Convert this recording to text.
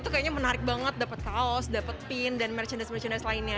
itu kayaknya menarik banget dapat kaos dapat pin dan merchandise merchandise lainnya